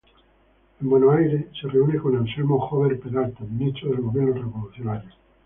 En Buenos Aires, se reúne con Anselmo Jover Peralta, ministro del gobierno revolucionario.